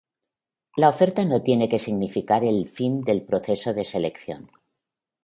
La oferta no tiene que significar el fin del proceso de selección.